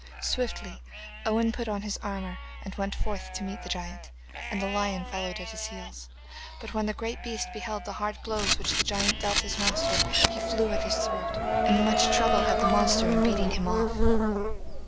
Swiftly Owen put on his armour and went forth to meet the giant, and the lion followed at his heels. And when the great beast beheld the hard blows which the giant dealt his master he flew at his throat, and much trouble had the monster in beating him off.